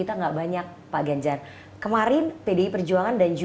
pak prabowo nanti juga segera capresnya ketemu